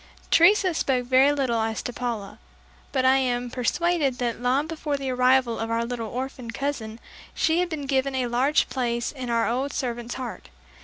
Teresa spoke very little as to Paula, but I am persuaded that long before the arrival of our little orphan cousin, she had been given a large place in our old servant's heart.